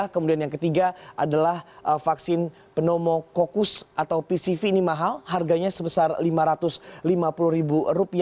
kemudian yang ketiga adalah vaksin pneumococus atau pcv ini mahal harganya sebesar rp lima ratus lima puluh